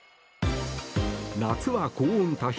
夏は高温多湿